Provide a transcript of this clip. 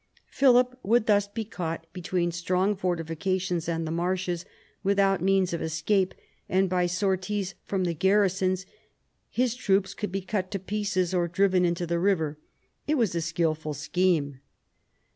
Philip would thus be caught between the strong fortifications and the marshes, without means of escape, and by sorties from the garrisons his troops could be cut to pieces or driven into the river. It was a skilful scheme.